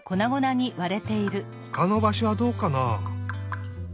ほかのばしょはどうかな？